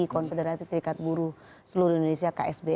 konfederasi serikat buruh seluruh indonesia ksb